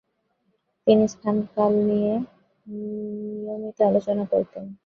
তিনি স্থান-কাল নিয়ে নিয়মিত আলোচনা করতেন।